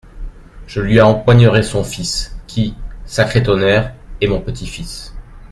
Je lui empoignerai son fils, qui, sacré tonnerre, est mon petit-fils.